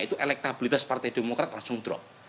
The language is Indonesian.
itu elektabilitas partai demokrat langsung drop